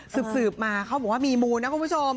ศึกสืบมาเขามีมุมนะคุณผู้ชม